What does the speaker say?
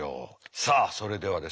さあそれではですね